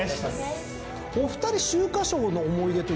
お二人秋華賞の思い出というと？